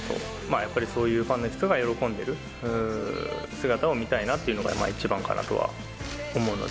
やっぱりそういうファンの人が喜んでくれてる姿を見たいなというのが一番かなとは思うので。